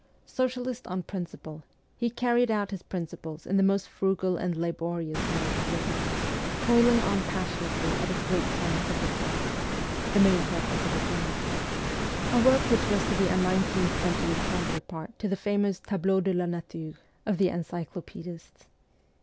Socialist on principle, he carried out his principles in his most frugal and laborious mode of living, toiling on passionately at his great scientific work the main purpose of his life a work which was to be a nineteenth century counter part to the famous Tableau de la Nature of the Encyclopaedists.